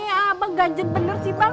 tampang ganjen bener sih bang